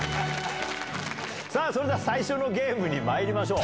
さあ、それでは最初のゲームにまいりましょう。